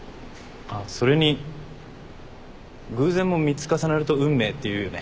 あっそれに偶然も３つ重なると運命っていうよね。